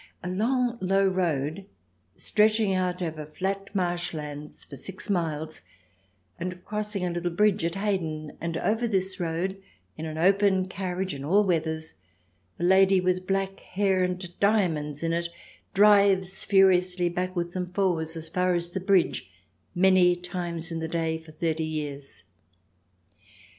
A long low road, stretching out over flat marsh lands for six miles, and cross ing a little bridge at Hayden, and over this road, in an open carriage in all weathers, a lady with black 264 THE DESIRABLE ALIEN [ch. xix hair and diamonds in it, drives furiously backwards and forwards as far as the bridge, many times in the day, for thirty years.